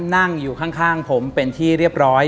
นั่งอยู่ข้างผมเป็นที่เรียบร้อย